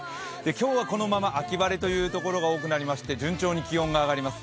今日はこのまま秋晴れという所が多くなりまして順調に気温が上がります